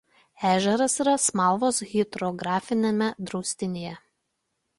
Ežeras yra Smalvos hidrografiniame draustinyje.